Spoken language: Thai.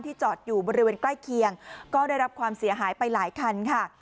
จอดอยู่บริเวณใกล้เคียงก็ได้รับความเสียหายไปหลายคันค่ะ